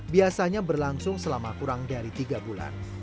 biasanya berlangsung selama kurang dari tiga bulan